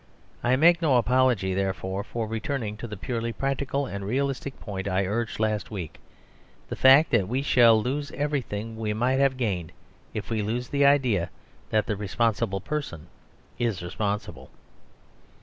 I make no apology, therefore, for returning to the purely practical and realistic point I urged last week: the fact that we shall lose everything we might have gained if we lose the idea that the responsible person is responsible.